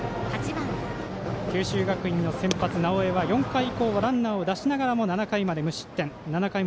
九州学院の先発、直江は４回以降もランナーを出しながらも７回まで無失点。